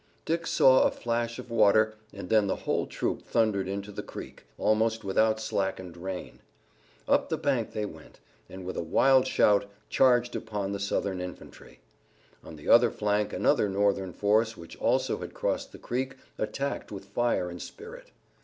Dick saw a flash of water and then the whole troop thundered into the creek, almost without slackened rein. Up the bank they went, and with a wild shout charged upon the Southern infantry. On the other flank another Northern force which also had crossed the creek attacked with fire and spirit.